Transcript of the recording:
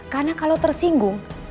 karena kalau tersinggung